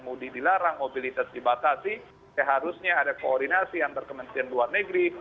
mudik dilarang mobilitas dibatasi seharusnya ada koordinasi antar kementerian luar negeri